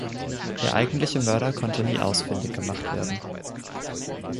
Der eigentliche Mörder konnte nie ausfindig gemacht werden.